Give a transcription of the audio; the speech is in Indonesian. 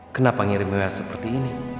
kenapa ngirimnya seperti ini